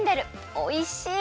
おいしい！